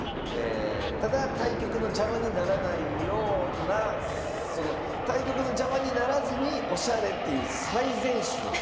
ただ対局の邪魔にならないような対局の邪魔にならずにオシャレっていう最善手を。